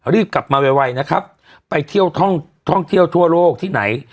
รีบกลับมาไวนะครับไปเที่ยวท่องท่องเที่ยวทั่วโลกที่ไหน